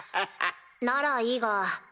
ならいいが。